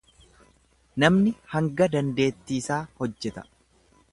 Namni hanga dandeettiisaa hojjeta.